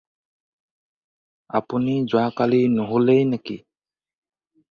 আপুনি যোৱাকালি নুশুলেই নেকি?